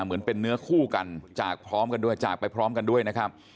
เหมือนเป็นเนื้อคู่กันจากพร้อมกันด้วยจากไปพร้อมกันด้วยนะครับ